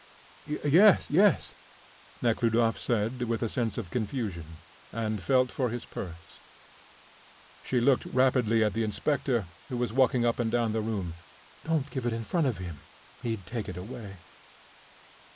"Yes, yes," Nekhludoff said, with a sense of confusion, and felt for his purse. She looked rapidly at the inspector, who was walking up and down the room. "Don't give it in front of him; he'd take it away."